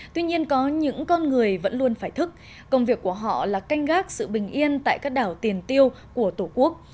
tuy nhiên có những con người vẫn luôn phải thức công việc của họ là canh gác sự bình yên tại các đảo tiền tiêu của tổ quốc